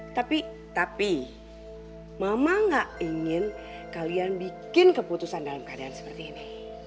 tapi tapi mama gak ingin kalian bikin keputusan dalam keadaan seperti ini